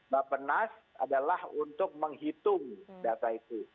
bapak nas adalah untuk menghitung data itu